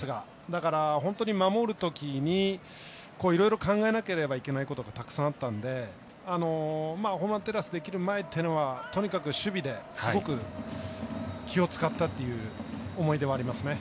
だから本当に守るときにいろいろ考えなければいけないことってたくさんあったのでホームランテラスできる前はとにかく守備ですごく気を使ったという思い出はありますね。